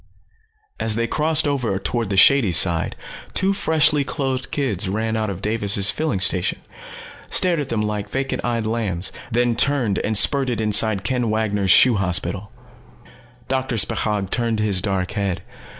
As they crossed over toward the shady side, two freshly clothed kids ran out of Davis' Filling Station, stared at them like vacant eyed lambs, then turned and spurted inside Ken Wanger's Shoe Hospital. Doctor Spechaug turned his dark head.